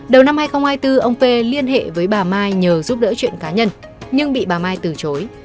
đầu năm hai nghìn hai mươi bốn ông p liên hệ với bà mai nhờ giúp đỡ chuyện cá nhân nhưng bị bà mai từ chối